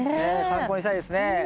参考にしたいですね。